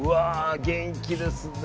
元気ですね。